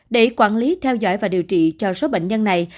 để quản lý theo dõi và điều trị cho số bệnh nhân này